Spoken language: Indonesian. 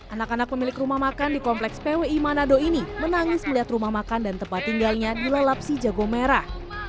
anak anak pemilik rumah makan di kompleks pwi manado ini menangis melihat rumah makan dan tempat tinggalnya dilalap si jago merah